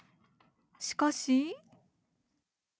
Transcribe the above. しかし。